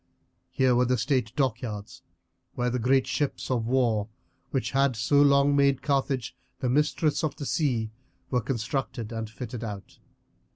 Here were the state dockyards where the great ships of war, which had so long made Carthage the mistress of the sea, were constructed and fitted out.